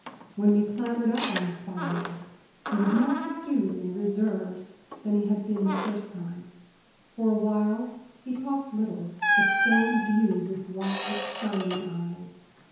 When we clambered up on Spy Rock, he was more subdued and reserved than he had been the first time. For a while he talked little, but scanned view with wide, shining eyes.